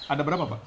ada berapa pak